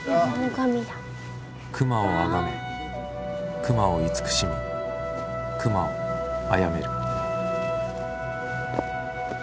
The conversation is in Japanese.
熊を崇め熊を慈しみ熊をあやめる。